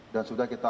dan sudah kita